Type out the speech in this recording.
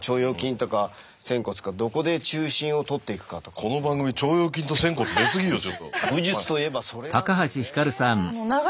この番組腸腰筋と仙骨出すぎよちょっと。